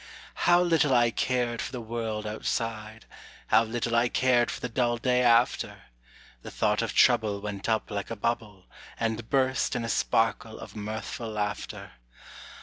How little I cared for the world outside! How little I cared for the dull day after! The thought of trouble went up like a bubble, And burst in a sparkle of mirthful laughter.